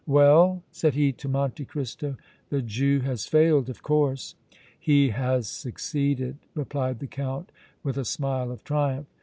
"Well?" said he to Monte Cristo. "The Jew has failed, of course!" "He has succeeded!" replied the Count, with a smile of triumph.